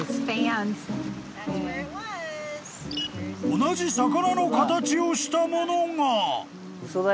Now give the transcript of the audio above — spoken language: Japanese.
［同じ魚の形をしたものが］